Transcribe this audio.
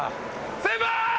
先輩‼